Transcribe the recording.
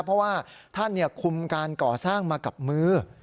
เพราะว่าท่านคุมการก่อสร้างมากับมือ